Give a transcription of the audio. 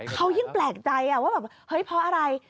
เขายิ่งแปลกใจว่าแบบเฮ้ยเพราะอะไร